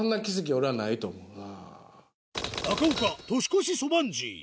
俺はないと思うな。